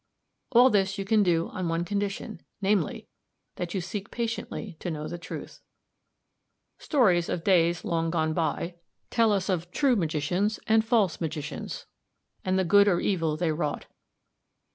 All this you can do on one condition, namely, that you seek patiently to know the truth. "Stories of days long gone by tell us of true magicians and false magicians, and the good or evil they wrought.